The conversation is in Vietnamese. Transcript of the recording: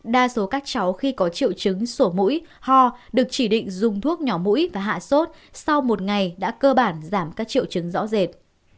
đa số các cháu khi có triệu chứng sổ mũi ho được chỉ định dùng thuốc nhỏ mũi và hạ sốt sau một ngày đã cơ bản giảm các triệu chứng rõ rệt